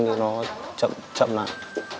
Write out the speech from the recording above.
nhưng nó chậm lại